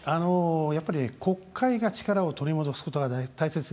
やっぱりね、国会が力を取り戻すことが大切ですね。